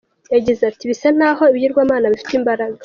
Yagize ati “Bisa n’aho ibigirwamana bifite imbaraga.